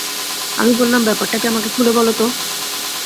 আমি বললাম, ব্যাপারটা কি আমাকে খুলে বল তো?